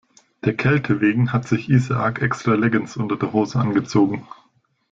Der Kälte wegen hat sich Isaak extra Leggings unter der Hose angezogen.